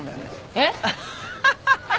えっ？